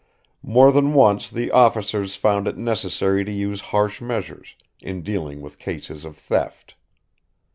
More than once the officers found it necessary to use harsh measures, in dealing with cases of theft.